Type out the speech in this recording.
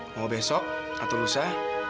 mau besok atau lusa